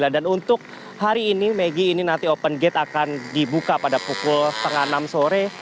dan untuk hari ini megi ini nanti open gate akan dibuka pada pukul setengah enam sore